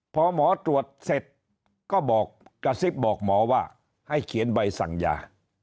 พอหมอตรวจเสร็จก็บอกกระซิบบอกหมอว่าให้เขียนใบสั่งยา